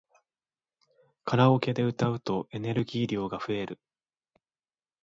カラオケで歌うとエネルギー量が増える